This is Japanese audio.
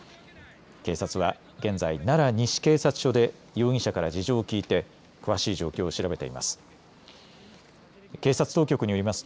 警察は現在、奈良西警察署で容疑者から事情を聴いて詳しい状況を調べています。